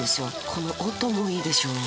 この音もいいでしょ